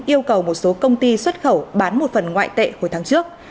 yêu cầu một số công ty xuất khẩu bán một phần ngoại tệ hồi tháng trước